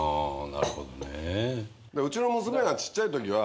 なるほどね。